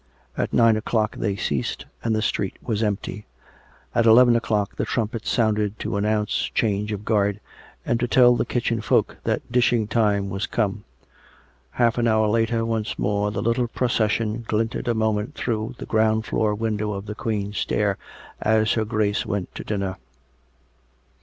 At nine o'clock they ceased, and the street was empty. At eleven o'clock the trumpets sounded to announce change of guard, and to tell the kitchen folk that dishing time was come. Half an hour later once more the little procession glinted a moment through the ground floor window of the Queen's stair as 332 COME RACK! COME ROPE! lier Grace went to dinner.